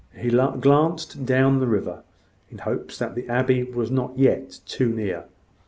He glanced down the river, in hopes that the abbey was not yet too near.